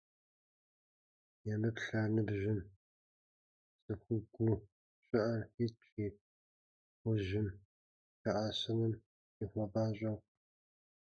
Емыплъ ар ныбжьым, цӏыхугуу щыӏэр итщ и ужьым, лъэӏэсыным ныхуэпӏащӏэу.